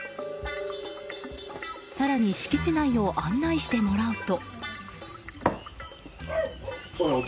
更に敷地内を案内してもらうと。